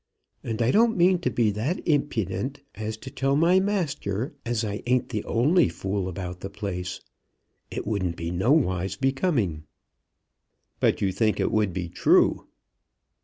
And I don't mean to be that impident as to tell my master as I ain't the only fool about the place. It wouldn't be no wise becoming." "But you think it would be true."